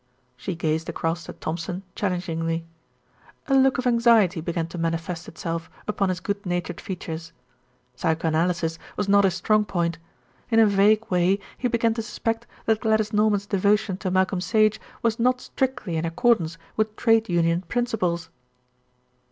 She gazed across at Thompson challengingly. A look of anxiety began to manifest itself upon his good natured features. Psycho analysis was not his strong point. In a vague way he began to suspect that Gladys Norman's devotion to Malcolm Sage was not strictly in accordance with Trade Union principles.